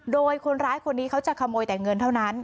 โดยคนร้ายคนนี้เขาจะขโมยแต่เงินเท่านั้น